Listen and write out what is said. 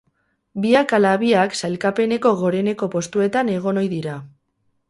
Biak ala biak sailkapeneko goreneko postuetan egon ohi dira.